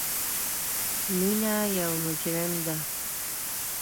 مینه یو مجرم ده